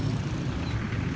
ini dan ini nih